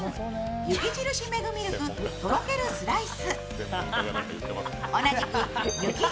雪印メグミルクとろけるスライス。